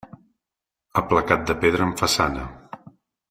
Aplacat de pedra en façana.